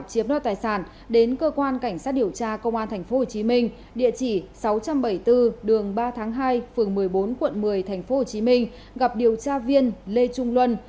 chiếm đo tài sản đến cơ quan cảnh sát điều tra công an tp hcm địa chỉ sáu trăm bảy mươi bốn đường ba tháng hai phường một mươi bốn quận một mươi tp hcm gặp điều tra viên lê trung luân